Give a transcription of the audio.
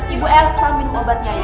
ibu elsa minum obatnya ya